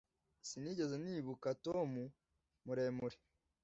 Sinigeze nibuka Tom muremure.